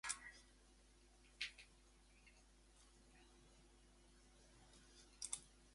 It enjoined the Association from enforcing the contract.